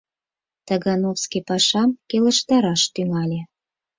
Тагановский пашам келыштараш тӱҥале.